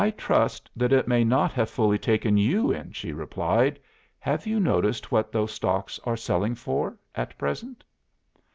'" "'I trust that it may not have fully taken you in,' she replied. 'Have you noticed what those stocks are selling for at present?